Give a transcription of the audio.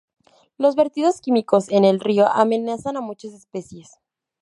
Los vertidos químicos en el río amenazan a muchas especies.